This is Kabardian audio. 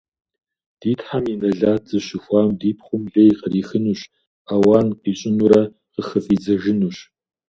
- Ди Тхьэм и нэлат зыщыхуам ди пхъум лей кърихынущ, ауан къищӀынурэ къыхыфӀидзэжынущ.